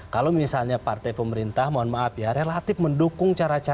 kalau misalnya partai pemerintah mohon maaf ya relatif mendukung cara cara